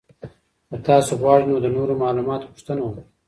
که تاسو غواړئ نو د نورو معلوماتو پوښتنه وکړئ.